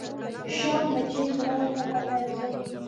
شات مچۍ ګلانو ته ګټه رسوي